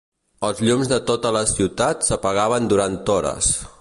Els llums de tota la ciutat s'apagaven durant hores